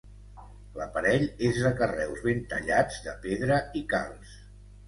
L'aparell és de carreus ben tallats de pedra i calç.